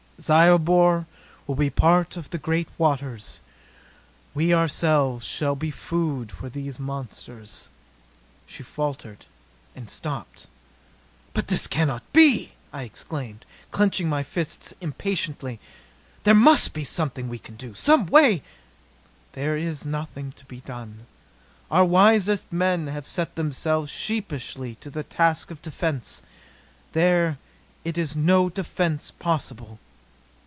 "Zyobor will be a part of the great waters. We ourselves shall be food for these monsters...." She faltered and stopped. "But this cannot be!" I exclaimed, clenching my fists impotently. "There must be something we can do; some way " "There is nothing to be done. Our wisest men have set themselves sleeplessly to the task of defence. There is no defence possible."